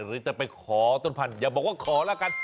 หรือจะไปขอต้นพันธอย่าบอกว่าขอละกัน